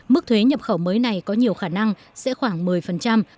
mức thuế nhập khẩu mới này có nhiều khả năng sẽ khoảng một mươi năm tỷ đô la